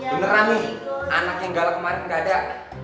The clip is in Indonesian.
beneran nih anak yang galak kemarin nggak ada